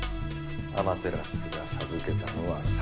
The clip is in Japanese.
アマテラスが授けたのは「三種の神器」。